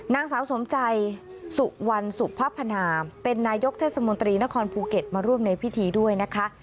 นางสาวสมใจสุวรรณสุพพนามเป็นนายกเทศมนตรีนครภูเก็ตมาร่วมในพิธีด้วยนะคะ